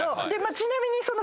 ちなみに。